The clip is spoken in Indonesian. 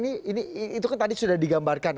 ini itu kan tadi sudah digambarkan